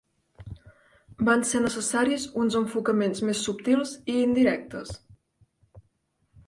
Van ser necessaris uns enfocaments més subtils i indirectes.